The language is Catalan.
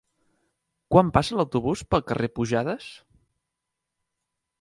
Quan passa l'autobús pel carrer Pujades?